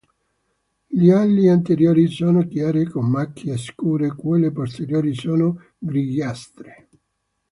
Le ali anteriori sono chiare con macchie scure, quelle posteriori sono grigiastre.